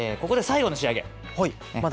ここで最後の仕上げ。